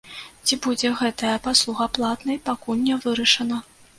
Ці будзе гэтая паслуга платнай, пакуль не вырашана.